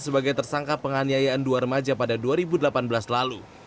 sebagai tersangka penganiayaan dua remaja pada dua ribu delapan belas lalu